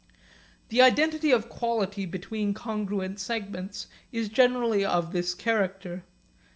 The identity of quality between congruent segments is generally of this character.